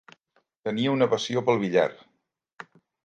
Tenia una passió pel billar.